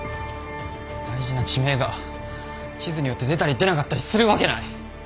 大事な地名が地図によって出たり出なかったりするわけない！